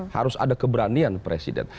harus ada keberanian presiden